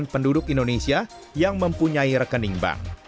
delapan penduduk indonesia yang mempunyai rekening bank